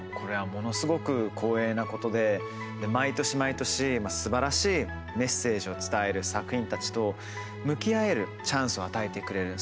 ものすごく光栄なことで毎年毎年すばらしいメッセージを伝える作品たちと向き合えるチャンスを与えてくれる。